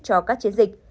cho các chiến dịch